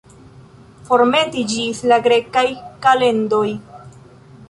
Formeti ĝis la grekaj kalendoj.